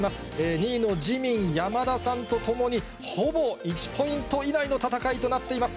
２位の自民、山田さんとともにほぼ１ポイント以内の戦いとなっています。